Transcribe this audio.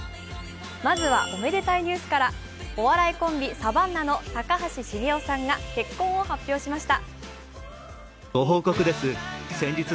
まずは、おめでたいニュースからお笑いコンビ、サバンナの高橋茂雄さんが結婚を発表しました。